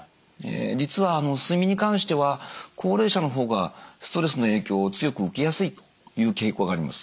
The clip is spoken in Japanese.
実は睡眠に関しては高齢者の方がストレスの影響を強く受けやすいという傾向があります。